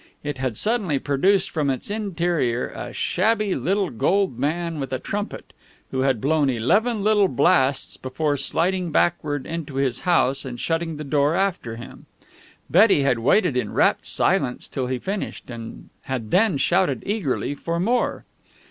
It had suddenly produced from its interior a shabby little gold man with a trumpet, who had blown eleven little blasts before sliding backward into his house and shutting the door after him. Betty had waited in rapt silence till he finished, and had then shouted eagerly for more.